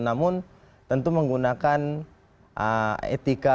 namun tentu menggunakan etika